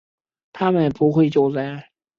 他们不会救灾